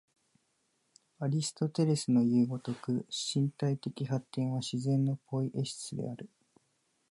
アリストテレスのいう如く、身体的発展は自然のポイエシスである。